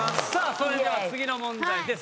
それでは次の問題です。